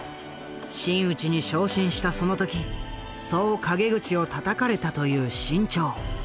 真打ちに昇進したその時そう陰口をたたかれたという志ん朝。